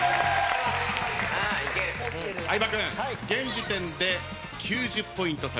相葉君現時点で９０ポイント差です。